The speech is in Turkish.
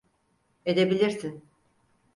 Edebilirsin.